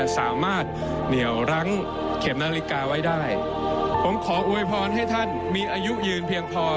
และได้มีโอกาสรับรูป